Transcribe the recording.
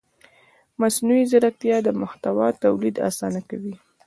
مصنوعي ځیرکتیا د محتوا تولید اسانه کوي.